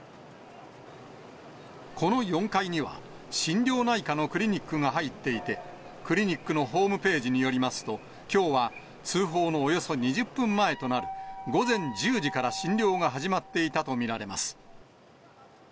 この４階には、心療内科のクリニックが入っていて、クリニックのホームページによりますと、きょうは通報のおよそ２０分前となる午前１０時から診療が始まっていたと見られます。